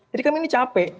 jadi kami ini capek